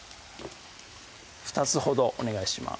２つほどお願いします